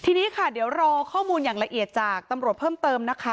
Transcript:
ทีนี้ค่ะเดี๋ยวรอข้อมูลอย่างละเอียดจากตำรวจเพิ่มเติมนะคะ